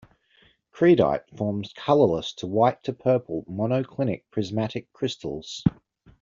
Creedite forms colorless to white to purple monoclinic prismatic crystals.